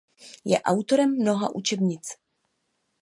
Je autorem mnoha učebnic.